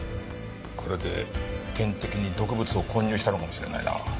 これで点滴に毒物を混入したのかもしれないな。